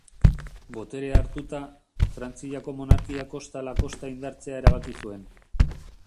Boterea hartuta, Frantziako monarkia kosta ahala kosta indartzea erabaki zuen.